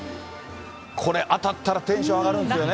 これ、当たったらテンション上がるんですよね。